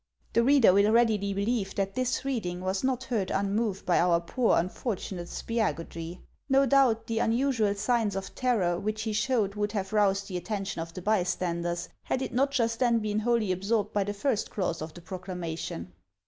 The reader will readily believe that this reading was not heard unmoved by our poor, unfortunate Spiagudry. No doubt, the unusual signs of terror which he showed would have roused the attention of the bystanders, had it not just then been wholly absorbed by the first clause of the proclamation.